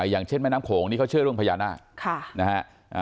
อย่างเช่นแม่น้ำโขงนี่เขาเชื่อเรื่องพญานาคนะฮะ